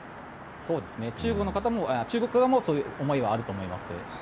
中国側もそういう思いはあると思います。